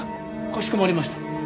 かしこまりました。